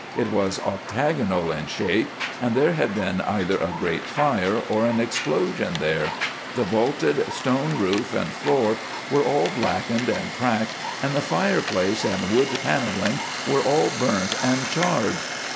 It was octagonal in shape, and there had been either a great fire or an explosion there. The vaulted stone roof and floor were all blackened and cracked, and the fireplace and wood panelling were all burnt and charred."